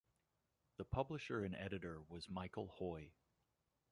The publisher and editor was Michael Hoy.